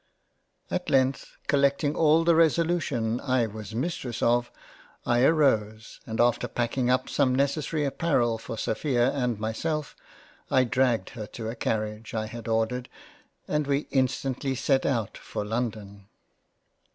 At length collecting all the Resolution I was Mistress of, I arose and after packing up some necessary apparel for Sophia and myself, I dragged her to a Carriage I had ordered and we instantly set out for London.